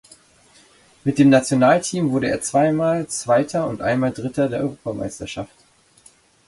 Mit dem Nationalteam wurde er zweimal Zweiter und einmal Dritter der Europameisterschaft.